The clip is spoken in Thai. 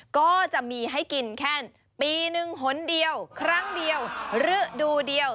ก็จะมีให้กินแค่ปีหนึ่งหนเดียวครั้งเดียวฤดูเดียว